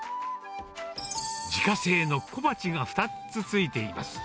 自家製の小鉢が２つ付いています。